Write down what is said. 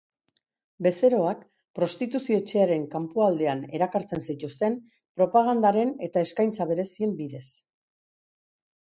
Bezeroak prostituzio-etxearen kanpoaldean erakartzen zituzten propagandaren eta eskaintza berezien bidez.